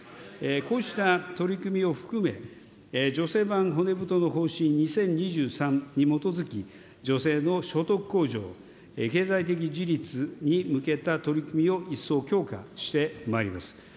こうした取り組みを含め、女性版骨太の方針２０２３に基づき、女性の所得向上、経済的自立に向けた取り組みを一層強化してまいります。